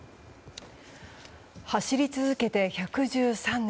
走り続けて１１３年。